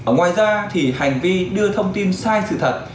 ngoài ra thì hành vi đưa thông tin sai sự thật